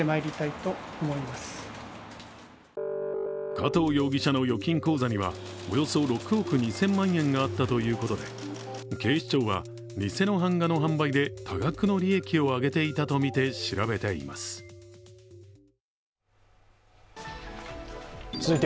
加藤容疑者の預金口座にはおよそ６億２０００万円があったということで警視庁は、偽の版画の販売で多額の利益を上げていたとみて調べています。